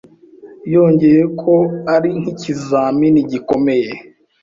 Yongeyeho ko ari n'ikizamini gikomeye